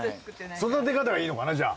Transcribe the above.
育て方がいいのかなじゃあ。